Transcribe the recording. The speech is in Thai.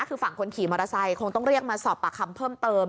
คือฝั่งคนขี่มอเตอร์ไซค์คงต้องเรียกมาสอบปากคำเพิ่มเติม